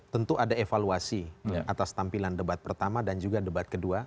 tentu ada evaluasi atas tampilan debat pertama dan juga debat kedua